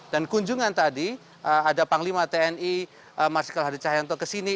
dan kunjungan tadi ada panglima tni marsikal hadecahayanto ke sini